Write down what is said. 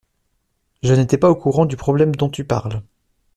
Je n'étais pas au courant du problème dont tu parles.